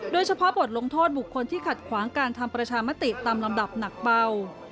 โดยเฉพาะบทลงโทษบุคคลที่ขัดขวางการทำประชามติตามลำดับหนักเบา